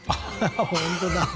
本当だ